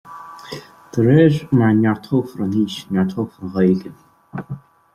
De réir mar a neartófar an fhís, neartófar an Ghaeilge